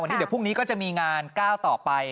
วันนี้เดี๋ยวพรุ่งนี้ก็จะมีงานก้าวต่อไป